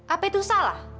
apa itu salah